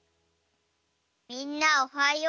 「みんなおはよう。